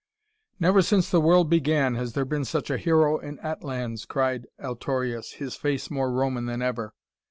"Never since the world began has there been such a hero in Atlans!" cried Altorius, his face more Roman than ever.